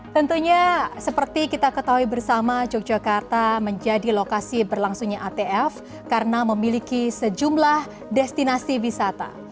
tentunya seperti kita ketahui bersama yogyakarta menjadi lokasi berlangsungnya atf karena memiliki sejumlah destinasi wisata